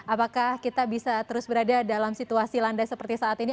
apakah kita bisa terus berada dalam situasi landai seperti saat ini